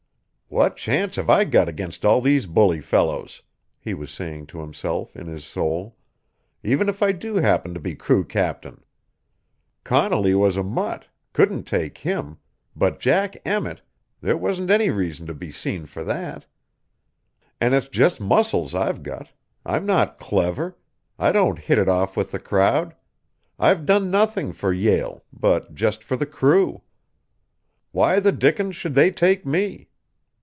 "What chance have I against all these bully fellows," he was saying to himself in his soul, "even if I do happen to be crew captain? Connolly was a mutt couldn't take him but Jack Emmett there wasn't any reason to be seen for that. And it's just muscles I've got I'm not clever I don't hit it off with the crowd I've done nothing for Yale, but just for the crew. Why the dickens should they take me?"